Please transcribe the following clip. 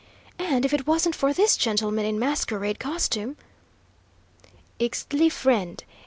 "And if it wasn't for this gentleman in masquerade costume " "Ixtli friend.